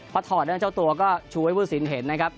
พอถอดแล้วเจ้าตัวก็ชูให้ผู้ศิลป์เห็นนะครับ